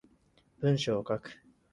文章を書く